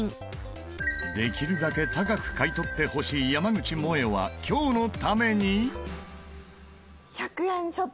できるだけ高く買い取ってほしい山口もえは今日のために。